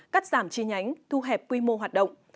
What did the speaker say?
cắt giảm chi nhánh thu hẹp quy mô hoạt động